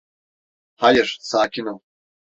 Hayır, sakin ol.